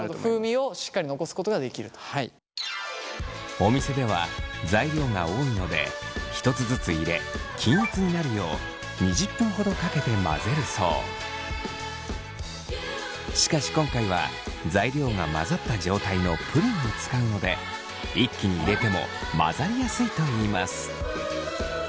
お店では材料が多いので１つずつ入れ均一になるようしかし今回は材料が混ざった状態のプリンを使うので一気に入れても混ざりやすいといいます。